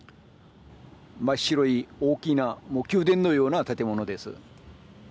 真っ白い大きな宮殿のような建物です。